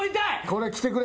これ来てくれ。